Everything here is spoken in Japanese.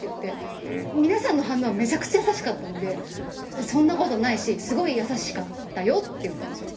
皆さんの反応はめちゃくちゃ優しかったので「そんなことないしすごい優しかったよ」って言ったんですよ。